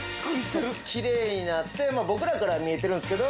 きれいになって僕らからは見えてるんですけど